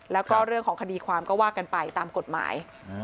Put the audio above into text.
แล้วก็เรื่องของคดีความก็ว่ากันไปตามกฎหมาย